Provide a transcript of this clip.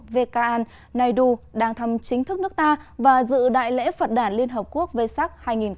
vkan naidu đang thăm chính thức nước ta và dự đại lễ phật đàn liên hợp quốc v sac hai nghìn một mươi chín